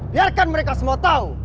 biarkan mereka semua tahu